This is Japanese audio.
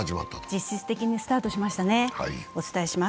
実質的にスタートしましたね。